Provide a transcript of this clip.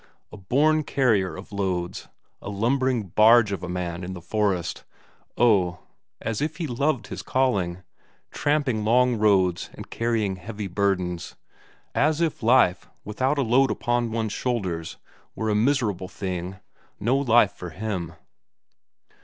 A born carrier of loads, a lumbering barge of a man in the forest oh, as if he loved his calling, tramping long roads and carrying heavy burdens; as if life without a load upon one's shoulders were a miserable thing, no life for him.